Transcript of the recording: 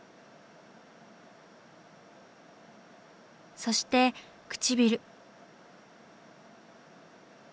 そして唇。